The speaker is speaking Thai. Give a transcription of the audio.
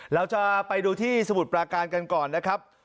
เราจะไปดูที่สมุทรปราการกันก่อนนะครับ